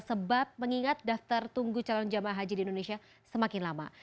sebab mengingat daftar tunggu calon jamaah haji di indonesia semakin lama